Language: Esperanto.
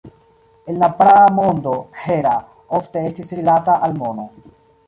En la praa mondo Hera ofte estis rilata al mono.